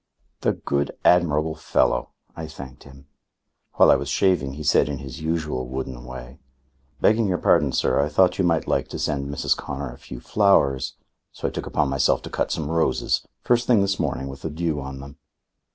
The good, admirable fellow! I thanked him. While I was shaving, he said in his usual wooden way: "Begging your pardon, sir, I thought you might like to send Mrs. Connor a few flowers, so I took upon myself to cut some roses, first thing this morning, with the dew on them."